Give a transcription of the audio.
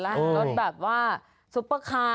รถแบบว่าซุปเปอร์คาร์